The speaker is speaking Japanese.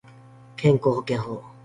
健康保険法